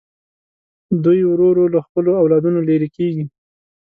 دوی ورو ورو له خپلو اولادونو لرې کېږي.